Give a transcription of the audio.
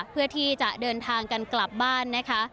เพื่อที่จะเดินทางกันกลับบ้านนะคะ